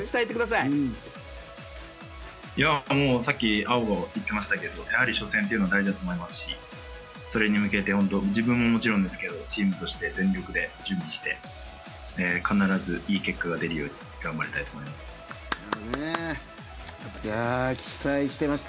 さっき碧も言ってましたけどやはり初戦というのは大事だと思いますしそれに向けて自分はもちろんですけどチームとして全力で準備して必ずいい結果が出るように頑張りたいと思います。